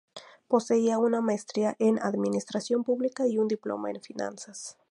Poseía una maestría en administración pública y un diploma en finanzas.